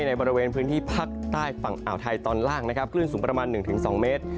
ในบริเวณพื้นที่ภาคใต้ฝั่งอ่าวไทยตอนล่างนะครับคลื่นสูงประมาณ๑๒เมตร